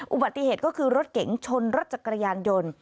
อุบัติเหตุก็คือรถเก๋งชนรถจักรยานยนต์